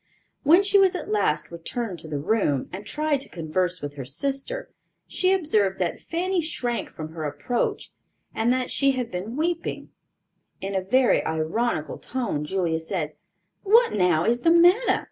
When she at last returned to the room, and tried to converse with her sister, she observed that Fanny shrank from her approach and that she had been weeping. In a very ironical tone Julia said, "What now is the matter?